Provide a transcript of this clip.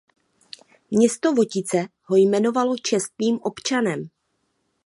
Město Votice ho jmenovalo čestným občanem.